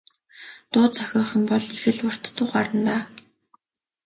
Дуу зохиох юм бол их л урт дуу гарна даа.